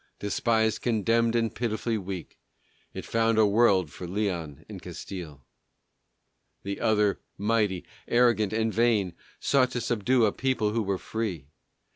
Despised, condemned, and pitifully weak, It found a world for Leon and Castile. The other, mighty, arrogant, and vain, Sought to subdue a people who were free.